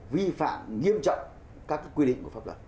vi phạm nghiêm trọng các quy định của pháp luật